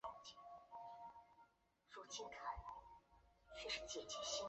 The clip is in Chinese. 这一任职是司法院副院长洪寿南向院长黄少谷推荐的结果。